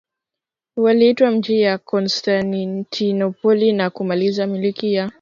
walitwaa mji wa Konstantinopoli na kumaliza Milki ya